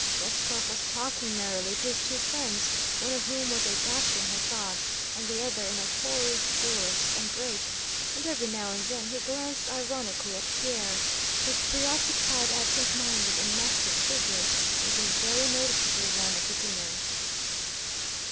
Rostóv was talking merrily to his two friends, one of whom was a dashing hussar and the other a notorious duelist and rake, and every now and then he glanced ironically at Pierre, whose preoccupied, absent minded, and massive figure was a very noticeable one at the dinner.